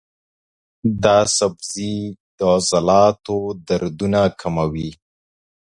دا سبزی د عضلاتو دردونه کموي.